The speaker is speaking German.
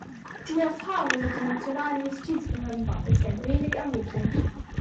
Die Erfahrungen mit den nationalen Justizbehörden waren bisher wenig ermutigend.